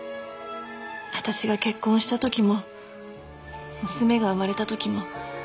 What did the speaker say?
私が結婚した時も娘が生まれた時も。